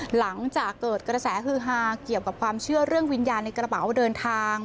หลังจากเกิดกระแสฮือฮาเกี่ยวกับความเชื่อเรื่องวิญญาณในกระเป๋าเดินทาง